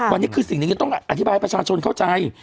วันนี้คือสิ่งหนึ่งจะต้องอธิบายให้ประชาชนเข้าใจ